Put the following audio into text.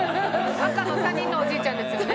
赤の他人のおじいちゃんですよね？